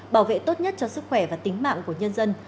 bảo vệ tốt nhất cho sức khỏe và tính mạng của nhân dân